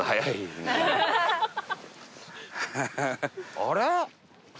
あれ。